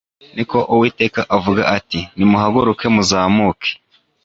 ni ko Uwiteka avuga ati Nimuhaguruke muzamuke